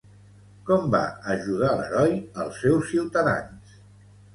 Com va ajudar l'heroi als seus ciutadans?